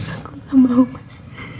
aku gak mau mas